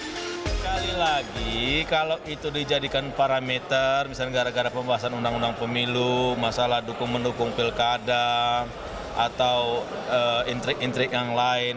sekali lagi kalau itu dijadikan parameter misalnya gara gara pembahasan undang undang pemilu masalah dukung mendukung pilkada atau intrik intrik yang lain